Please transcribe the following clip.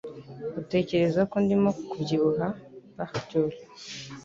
Uratekereza ko ndimo kubyibuha? (Bah_Dure)